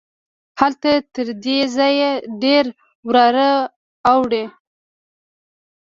هلته تر دې ځای ډېره واوره اوري.